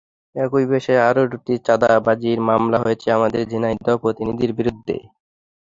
একই বিষয়ে আরও দুটি চাঁদাবাজির মামলা হয়েছে আমাদের ঝিনাইদহ প্রতিনিধির বিরুদ্ধে।